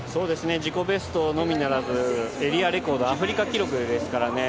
自己ベストのみならずエリアレコード、アフリカ記録ですからね。